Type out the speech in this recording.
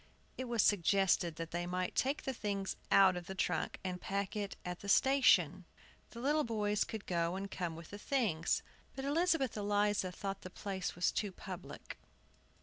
It was suggested that they might take the things out of the trunk, and pack it at the station; the little boys could go and come with the things. But Elizabeth Eliza thought the place too public.